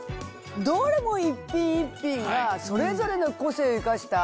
どれも一品一品がそれぞれの個性を生かした。